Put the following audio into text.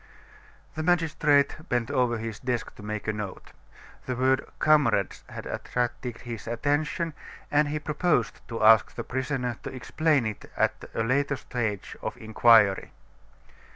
The magistrate bent over his desk to make a note. The word "comrades" had attracted his attention, and he proposed to ask the prisoner to explain it at a later stage of the inquiry.